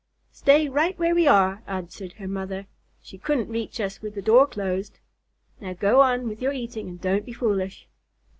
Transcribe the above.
"Stay right where we are," answered her mother. "She couldn't reach us with the door closed. Now go on with your eating and don't be foolish."